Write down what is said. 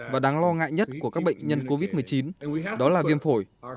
và đáng lo ngại nhất của các bệnh nhân covid một mươi chín đó là viêm phổi